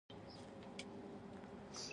شیخ سلیم د هغه مړ شوي غل المنصور پلار و.